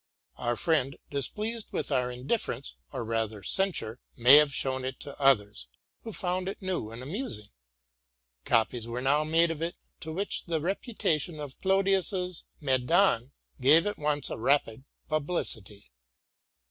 Our friend, displeased with our indifference, or rather censure, may have shown it to others, who found it new and amusing. Copies were now made of it, to which the reputation of Clodius's '*' Medon'' gave at once a rapid publicity.